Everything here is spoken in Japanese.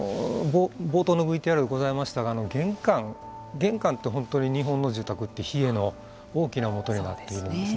冒頭のＶＴＲございましたが玄関玄関って本当に日本の住宅の冷えの大きなもとになっているんですね。